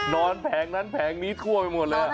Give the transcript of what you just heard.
แผงนั้นแผงนี้ทั่วไปหมดเลย